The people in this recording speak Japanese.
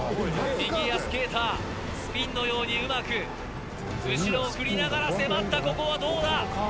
フィギュアスケータースピンのようにうまく後ろを振りながら迫ったここはどうだ？